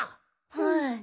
はい。